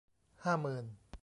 ห้าหมื่น